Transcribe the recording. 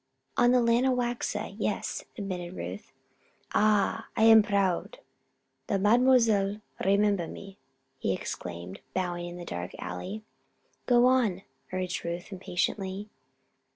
"On the Lanawaxa yes," admitted Ruth. "Ah! I am proud. The Mademoiselle remember me," he exclaimed, bowing in the dark alley. "Go on," urged Ruth, impatiently.